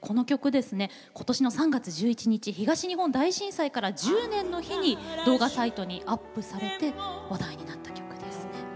ことしの３月１１日東日本大震災から１０年の日にこの曲を動画サイトにアップされ話題となりました。